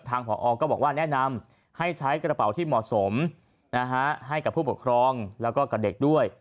ผอก็บอกว่าแนะนำให้ใช้กระเป๋าที่เหมาะสมให้กับผู้ปกครองแล้วก็กับเด็กด้วย